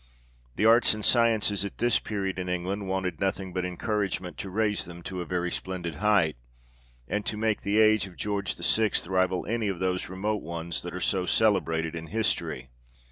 The Arts and Sciences at this period, in England, wanted nothing but encouragement to raise them to a very splendid height, and to make the age of George VI. rival any of those remote ones that are so celebrated in history.